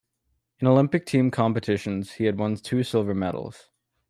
In Olympic team competitions, he has won two silver medals.